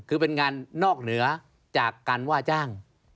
คือเป็นงานนอกเหนือจากการว่าจ้าง